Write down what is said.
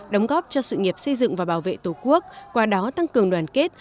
đóng góp cho sự nghiệp xây dựng và bảo vệ tổ quốc qua đó tăng cường đoàn kết